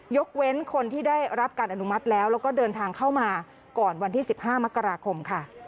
ยกเว้นคนที่ได้รับการอนุมัติแล้วแล้วก็เดินทางเข้ามาก่อนวันที่๑๕มกราคมค่ะ